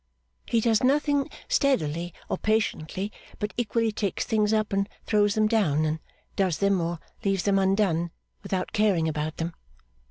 He does nothing steadily or patiently; but equally takes things up and throws them down, and does them, or leaves them undone, without caring about them.